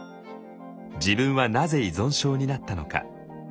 自分はなぜ依存症になったのか。